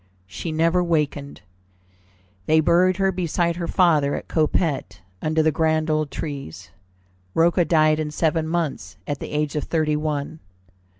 She never wakened. They buried her beside her father at Coppet, under the grand old trees. Rocca died in seven months, at the age of thirty one.